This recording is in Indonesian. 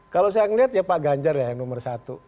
kalau saya melihat ya pak ganjar ya yang nomor satu